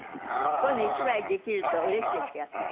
こういうの１枚できるとうれしいですか？